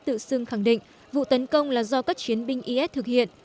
tự xưng khẳng định vụ tấn công là do các chiến binh is thực hiện